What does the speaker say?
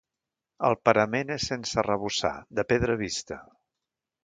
El parament és sense arrebossar, de pedra vista.